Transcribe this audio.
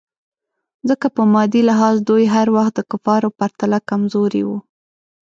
ځکه په مادي لحاظ دوی هر وخت د کفارو پرتله کمزوري وو.